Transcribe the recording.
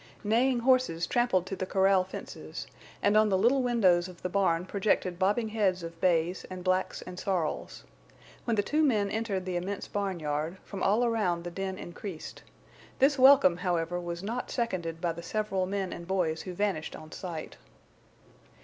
Neighing horses trampled to the corral fences. And on the little windows of the barn projected bobbing heads of bays and blacks and sorrels. When the two men entered the immense barnyard, from all around the din increased. This welcome, however, was not seconded by the several men and boys who vanished on sight.